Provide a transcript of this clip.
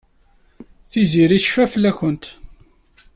Tiziri tecfa fell-awent.